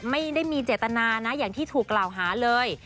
ไม่ได้มีเจตนานะอย่างที่ถูกกล่าวหาเลย